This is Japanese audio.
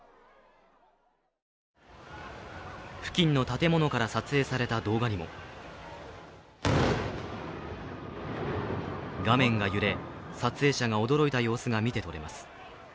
付近の建物から撮影された動画にも画面が揺れ、撮影者が驚いた様子が見てとれます。